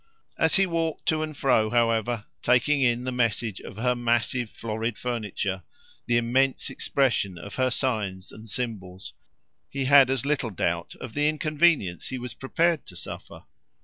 As he walked to and fro, however, taking in the message of her massive florid furniture, the immense expression of her signs and symbols, he had as little doubt of the inconvenience he was prepared to suffer.